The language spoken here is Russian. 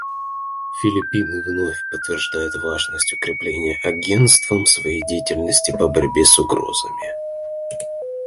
Филиппины вновь подтверждают важность укрепления Агентством своей деятельности по борьбе с этими угрозами.